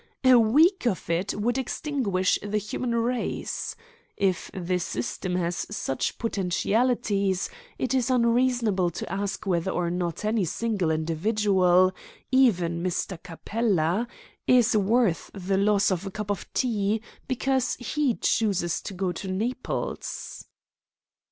A week of it would extinguish the human race. If the system has such potentialities, is it unreasonable to ask whether or not any single individual even Mr. Capella is worth the loss of a cup of tea because he chooses to go to Naples?"